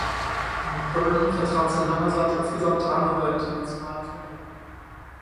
Bourdon vertrat sein Heimatland insgesamt dreimal bei internationalen Turnieren.